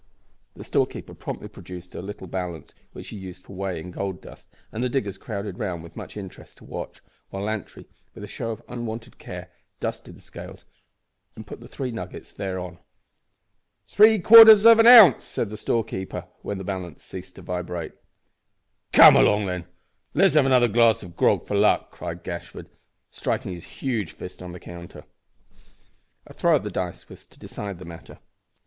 The storekeeper promptly produced the little balance which he used for weighing gold dust, and the diggers crowded round with much interest to watch, while Lantry, with a show of unwonted care, dusted the scales, and put the three nuggets therein. "Three quarters of an ounce," said the storekeeper, when the balance ceased to vibrate. "Come along, then, an' let's have another glass of grog for luck," cried Gashford, striking his huge fist on the counter. A throw of the dice was to decide the matter.